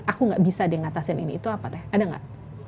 aku gak bisa deh ngatasin ini itu apa teh ada gak